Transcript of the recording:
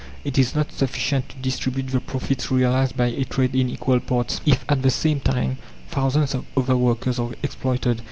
It is not sufficient to distribute the profits realized by a trade in equal parts, if at the same time thousands of other workers are exploited.